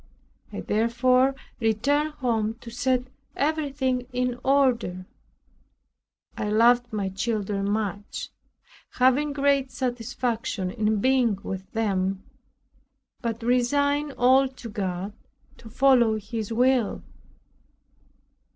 I therefore returned home to set everything in order. I loved my children much, having great satisfaction in being with them, but resigned all to God to follow His will.